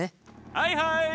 はいはい。